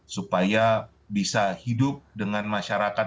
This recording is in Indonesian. supaya bisa hidup dengan masyarakat